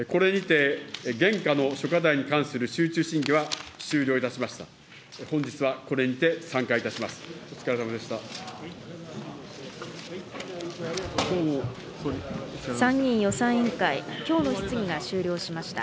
これにて、現下の諸課題に関する集中審議は終了いたしました。